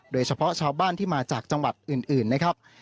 โดยเฉพาะชาวบ้านที่มาจากจังหวัดอื่นนะครับ